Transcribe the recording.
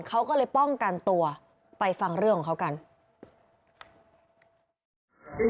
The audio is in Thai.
เขาก็เลยป้องกันตัวไปฟังเรื่องของเขากัน